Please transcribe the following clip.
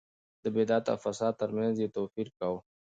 د بدعت او فساد ترمنځ يې توپير کاوه.